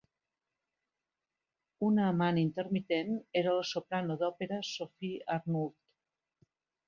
Una amant intermitent era la soprano d'òpera Sophie Arnould.